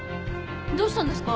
どうしたんですか？